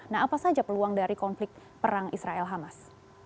nah apa saja peluang dari konflik perang israel hamas